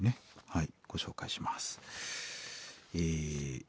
はいご紹介します。